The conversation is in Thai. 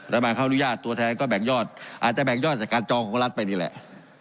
มาเขาอนุญาตตัวแทนก็แบ่งยอดอาจจะแบ่งยอดจากการจองของรัฐไปนี่แหละ